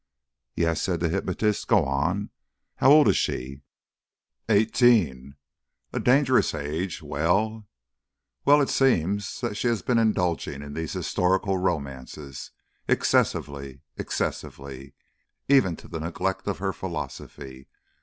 "Yes," said the hypnotist, "go on. How old is she?" "Eighteen." "A dangerous age. Well?" "Well: it seems that she has been indulging in these historical romances excessively. Excessively. Even to the neglect of her philosophy.